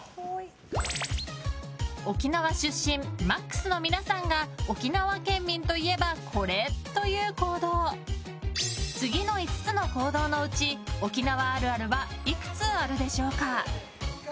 沖縄出身ＭＡＸの皆さんが沖縄県民といえばこれ！という行動次の５つの行動のうち沖縄あるあるはいくつあるでしょうか。